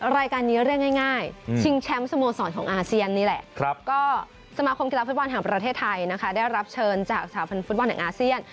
รายการนี้เรียกง่ายชิงแชมป์สโมสรของอาเซียนนี่แหละก็สมาคมกีฬาฟุตบอลแห่งประเทศไทยนะคะได้รับเชิญจากสหพันธ์ฟุตบอลแห่งอาเซียน